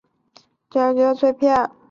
这样可以减少甚至消除文件碎片。